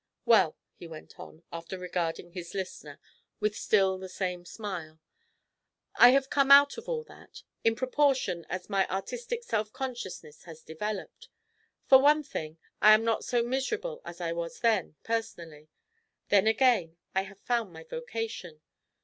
"Well," he went on, after regarding his listener with still the same smile, "I have come out of all that, in proportion as my artistic self consciousness has developed. For one thing, I am not so miserable as I was then, personally; then again, I have found my vocation.